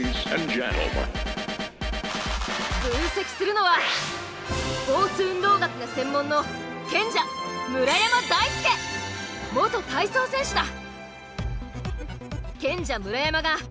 分析するのはスポーツ運動学が専門の賢者元体操選手だ。